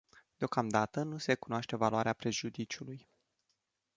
Deocamdată nu se cunoaște valoarea prejudiciului.